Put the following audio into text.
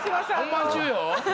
本番中よ。